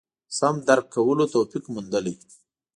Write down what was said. سم درک کولو توفیق موندلي.